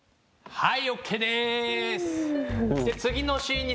はい。